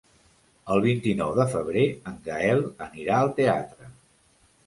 El vint-i-nou de febrer en Gaël anirà al teatre.